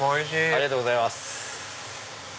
ありがとうございます。